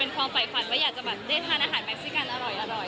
เป็นความฝ่ายฝันว่าอยากจะแบบได้ทานอาหารแม็กซิกันอร่อย